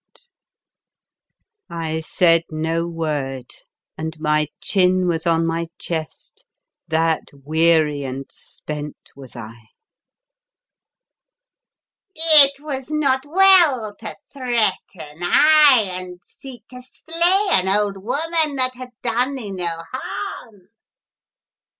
77 The Fearsome Island I said no word, and my chin was on my chest, that weary and spent was I. " It was not well to threaten, aye, and seek to slay an old woman that had done thee no harm !